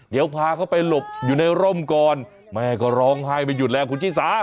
เดี๋ยวพาเขาไปหลบอยู่ในร่มก่อนแม่ก็ร้องไห้ไม่หยุดแล้วคุณชิสา